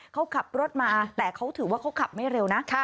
เขาขับรถมาแต่เขาถือว่าเขาขับไม่เร็วนะ